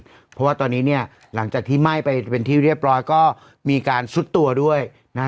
เพราะว่าตอนนี้เนี่ยหลังจากที่ไหม้ไปเป็นที่เรียบร้อยก็มีการซุดตัวด้วยนะฮะ